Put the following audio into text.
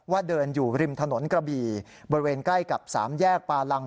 เดินอยู่ริมถนนกระบี่บริเวณใกล้กับสามแยกปาลัง